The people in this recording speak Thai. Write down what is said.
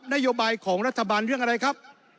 นโยบายของรัฐบาลเรื่องอะไรครับ